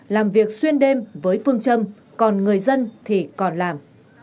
làm việc xuyên đêm với phương châm còn người dân thì còn làm